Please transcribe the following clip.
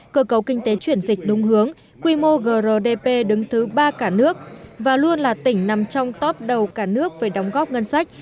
cơ cầu kinh tế chuyển dịch đúng hướng quy mô grdp đứng thứ ba cả nước và luôn là tỉnh nằm trong top đầu cả nước về đóng góp ngân sách